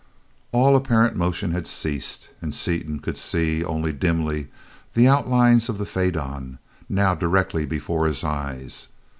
All apparent motion had ceased, and Seaton could see only dimly the outlines of the faidon, now directly before his eyes.